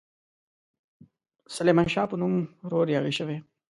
سلیمان شاه په نوم ورور یاغي شوی.